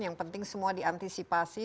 yang penting semua diantisipasi